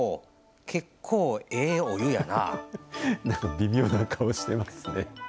微妙な顔してますね。